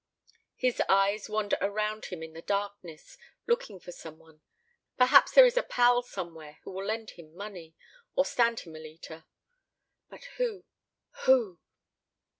His eyes wander around him in the darkness, looking for some one. Perhaps there is a pal somewhere who will lend him money, or stand him a liter. But who who?